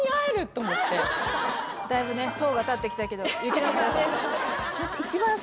だいぶねとうが立ってきたけど雪乃さんです